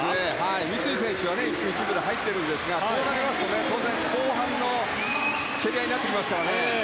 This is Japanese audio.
三井選手は１分１秒で入っているんですがこうなりますと、当然後半の競り合いになってきます。